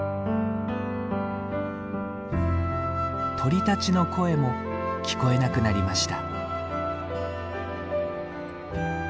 鳥たちの声も聞こえなくなりました。